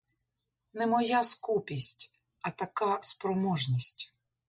Не моя скупість, а така спроможність.